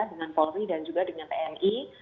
dengan polri dan juga dengan tni